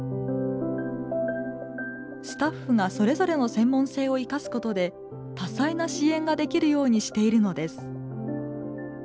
スタッフがそれぞれの専門性を生かすことで多彩な支援ができるようにしているのです。